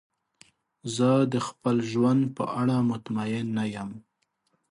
زه د خپل ژوند په اړه مطمئن نه یم.